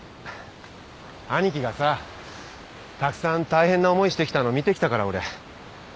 兄貴がさたくさん大変な思いしてきたの見てきたから俺。